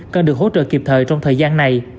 cần được hỗ trợ kịp thời trong thời gian này